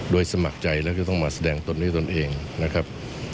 โดยสมัครใจแล้วก็ต้องมาแสดงตนด้วยตนเองนะครับ